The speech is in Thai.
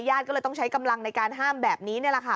ก็เลยต้องใช้กำลังในการห้ามแบบนี้นี่แหละค่ะ